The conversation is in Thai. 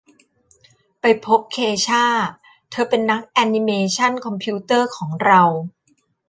ไปพบเคช่า เธอเป็นนักแอนนิเมชั่นคอมพิวเตอร์ของเรา